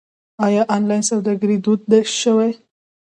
آیا آنلاین سوداګري دود شوې؟